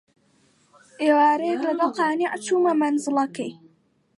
ئێوارەیەک لەگەڵ قانیع چوومە مەنزڵەکەی